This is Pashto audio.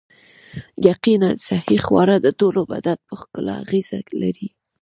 یقیناً صحي خواړه د ټول بدن په ښکلا اغیزه لري